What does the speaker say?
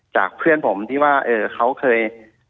จากเพื่อนผมที่ว่าเขาเคย